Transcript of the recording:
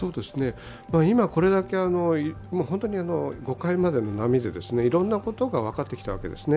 今、これだけ５回までの波で、いろんなことが分かってきたわけですね。